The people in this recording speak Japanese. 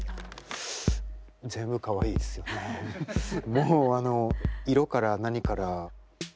もうあの色から何から。